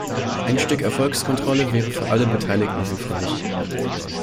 Ein Stück Erfolgskontrolle wäre für alle Beteiligten hilfreich.